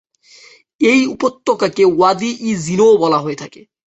এই উপত্যকাকে ওয়াদি-ই-জীনও বলা হয়ে থাকে।